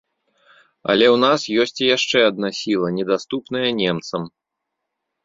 Але ў нас ёсць і яшчэ адна сіла, недаступная немцам.